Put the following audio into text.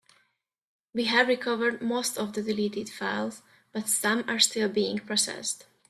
We have recovered most of the deleted files, but some are still being processed.